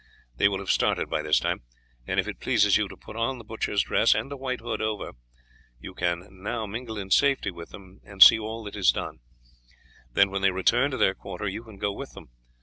They will have started by this time, and if it pleases you to put on the butcher's dress and the white hood over it you can mingle in safety with them and see all that is done; then when they return to their quarter, you can go with them.